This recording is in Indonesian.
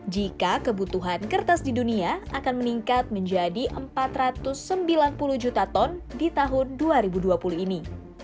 jika kebutuhan kertas di dunia akan meningkat menjadi empat ratus sembilan puluh juta ton di tahun dua ribu dua puluh ini